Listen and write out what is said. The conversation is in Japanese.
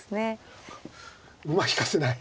馬引かせない。